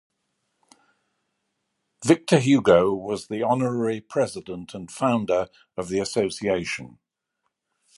Victor Hugo was the honorary president and founder of the association.